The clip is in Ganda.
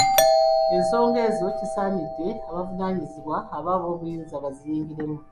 Ensonga ezo kisaanidde abavunaanyizibwa oba ab'obuyinza baziyingiremu.